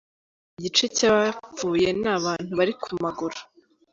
Muri Ghana, igice c'abapfuye ni abantu bari ku maguru.